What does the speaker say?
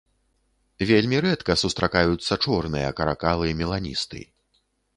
Вельмі рэдка сустракаюцца чорныя каракалы-меланісты.